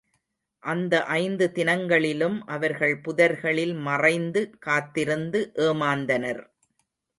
அந்த ஐந்து தினங்களிலும் அவர்கள் புதர்களில் மறைந்து காத்திருந்து ஏமாந்தனர்.